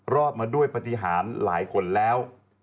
รอบมาด้วยปฏิหารหลายคนแล้ว